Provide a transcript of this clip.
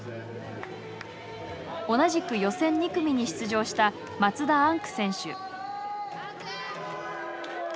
同じく予選２組に出場した松田天空選手。